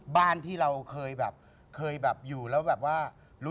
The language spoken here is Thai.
บ้านที่เราเคยอยู่แล้วแบบว่า